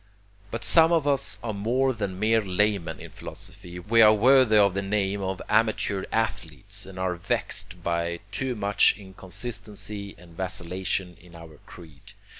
But some of us are more than mere laymen in philosophy. We are worthy of the name of amateur athletes, and are vexed by too much inconsistency and vacillation in our creed.